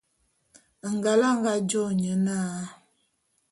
Ngal a nga jô nye na.